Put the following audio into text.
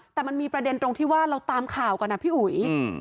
แต่มันมีประเด็นตรงที่ว่าเราตามข่าวกันนะพี่อุ๋ย